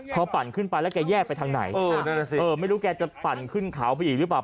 พอปั่นขึ้นไปแล้วแกแยกไปทางไหนไม่รู้แกจะปั่นขึ้นเขาไปอีกหรือเปล่า